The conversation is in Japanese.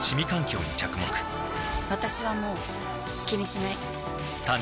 私はもう気にしない。